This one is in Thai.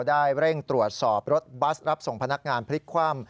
ได้เร่งตรวจสอบรถบัสรับส่งพนักงานพลิกคว่ำ